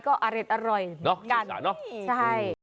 ก็อเล็ดอร่อยกันใช่